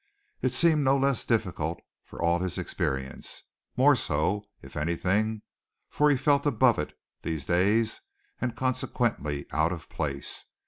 It seemed no less difficult for all his experience more so if anything, for he felt above it these days and consequently out of place.